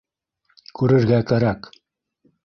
Күрергә кәрәк!